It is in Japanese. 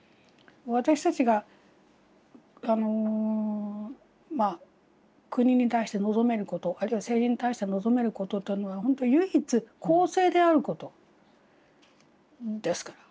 私たちが国に対して望めることあるいは政治に対して望めることというのは本当唯一公正であることですから。